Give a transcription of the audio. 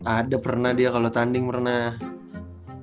ada pernah dia kalau tanding pernah